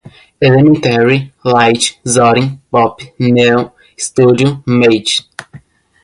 elementary, lite, zorin, pop, neon, studio, mate